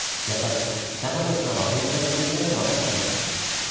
やっぱり中越さんはオリジナルに向いてないってわかったんで。